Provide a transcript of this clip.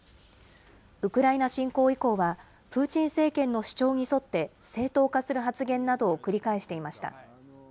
ウクライナ侵攻以降は、プーチン政権の主張に沿って、正当化する発言などを繰り返していました。